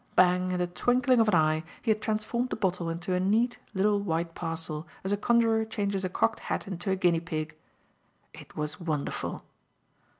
bang! in the twinkling of an eye, he had transformed the bottle into a neat, little white parcel as a conjuror changes a cocked hat into a guinea pig. It was wonderful.